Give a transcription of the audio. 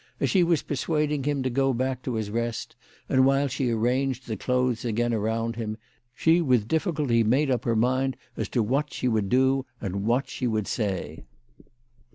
As she was persuading him to go back to his rest, and while she arranged the clothes again around him, she with difficulty made up her mind as to what she would do and what she would say.